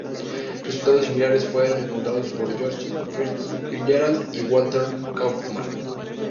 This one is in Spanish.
Resultados similares fueron encontrados por George FitzGerald y Walter Kaufmann.